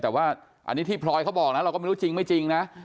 แต่ว่าอันนี้ที่พลอยเขาบอกนะเราก็ไม่รู้จริงไม่จริงนะ